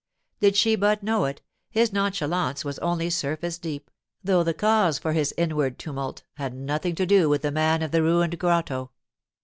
Did she but know it, his nonchalance was only surface deep, though the cause for his inward tumult had nothing to do with the man of the ruined grotto.